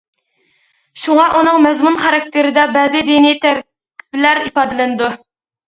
شۇڭا، ئۇنىڭ مەزمۇن خاراكتېرىدە بەزى دىنىي تەركىبلەر ئىپادىلىنىدۇ.